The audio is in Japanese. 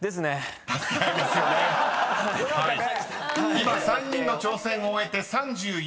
［今３人の挑戦を終えて３４秒２３］